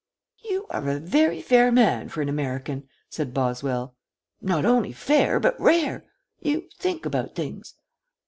"You are a very fair man, for an American," said Boswell. "Not only fair, but rare. You think about things."